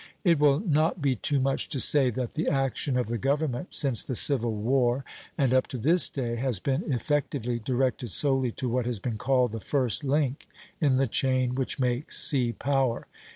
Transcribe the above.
It will not be too much to say that the action of the government since the Civil War, and up to this day, has been effectively directed solely to what has been called the first link in the chain which makes sea power.